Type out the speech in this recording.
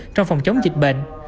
trong phòng chống dịch bệnh